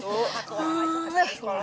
oh gitu kartu aja